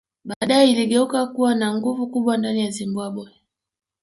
Badae iligeuka kuwa na nguvu kubwa ndani ya Zimbabwe